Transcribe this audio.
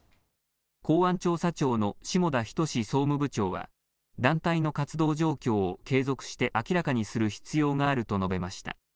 公安調査庁の霜田仁総務部長は、団体の活動状況を継続して明らかにする必要があると述べました。